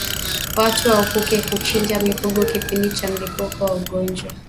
Watu waepuke kuchinja mifugo kipindi cha mlipuko wa ugonjwa